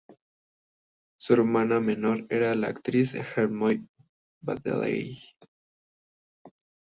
Su hermana menor era la actriz Hermione Baddeley.